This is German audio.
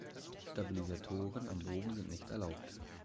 Stabilisatoren am Bogen sind nicht erlaubt.